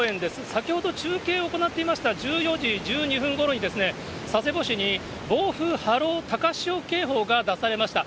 先ほど、中継を行っていました１４時１２分ごろに、佐世保市に暴風、波浪、高潮警報が出されました。